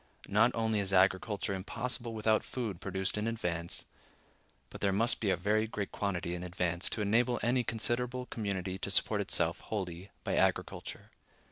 Not only is agriculture impossible without food produced in advance, but there must be a very great quantity in advance to enable any considerable community to support itself wholly by agriculture.